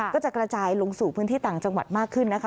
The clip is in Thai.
ก็จะกระจายลงสู่พื้นที่ต่างจังหวัดมากขึ้นนะคะ